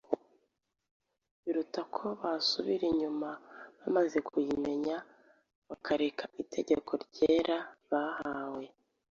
biruta ko basubira inyuma bamaze kuyimenya, bakareka itegeko ryera bahawe.”